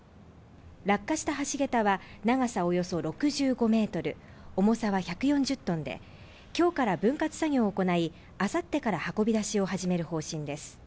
落下した橋桁は長さおよそ６５ｍ、重さは１４０ｔで今日から分割作業を行い、あさってから運び出しを始める方針です。